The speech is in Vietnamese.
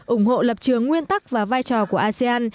ủng hộ lập trường nguyên tắc và vai trò của asean